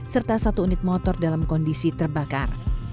serta satu unit motor dalam kondisi terbakar